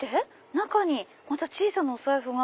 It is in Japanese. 中にまた小さなお財布が。